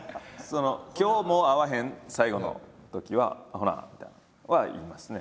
今日もう会わへん最後のときは「ほな」みたいなんは言いますね。